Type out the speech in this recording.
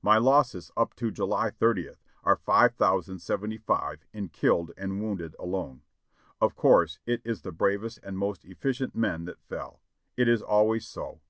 My losses up to July 30th are 5,075 in killed and wounded alone. Of course it is the bravest and most efficient men that fell. It is always so.